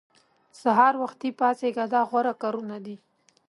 سهار وختي پاڅېږه دا غوره کارونه دي.